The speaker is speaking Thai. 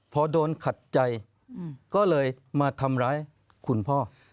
พอโดนขัดใจก็เลยมาทำร้ายคุณพ่อ